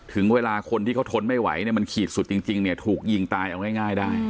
ถึงเวลาคนที่เขาทนไม่ไหวเนี่ยมันขีดสุดจริงเนี่ยถูกยิงตายเอาง่ายได้